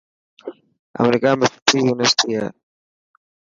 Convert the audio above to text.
امريڪا ۾ سٺي يونيورسٽي هي.